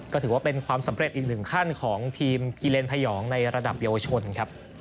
ก็ถือว่าเป็นความสำเร็จอีกหนึ่งขั้นของทีมกิเลนพยองในระดับเยาวชนครับ